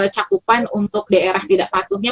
cakupan untuk daerah tidak patuhnya